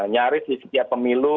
nyaris di setiap pemilu